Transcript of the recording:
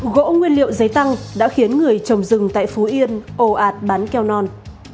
gỗ nguyên liệu giấy tăng đã khiến người trồng rừng tại phú yên ồ ạt bán keo non